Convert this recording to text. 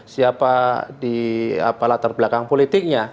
siapa di latar belakang politiknya